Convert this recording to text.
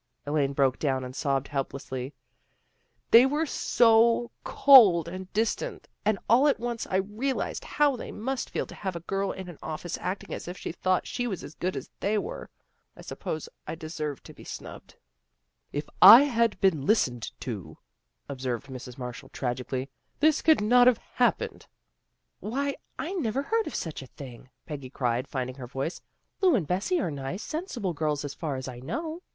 Elaine broke down and sobbed helplessly. " They were so cold and distant, and all at once I realized how they must feel to have a girl in an office acting as if she thought she was as good as they were. I suppose I deserved to be snubbed." " If I had been listened to," observed Mrs. Marshall tragically, " this could not have hap pened." " Why, I never heard of such a thing," Peggy cried, finding her voice. " Lu and Bessie are nice, sensible girls, as far as I know.